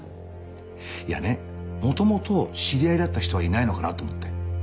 いやね元々知り合いだった人はいないのかな？と思って。